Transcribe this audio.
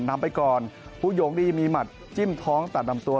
นำไปก่อนผู้โยงดีมีหมัดจิ้มท้องตัดลำตัว